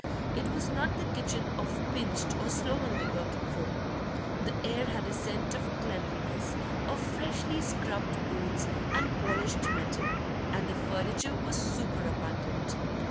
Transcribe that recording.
It was not the kitchen of pinched or slovenly working folk; the air had a scent of cleanliness, of freshly scrubbed boards and polished metal, and the furniture was super abundant.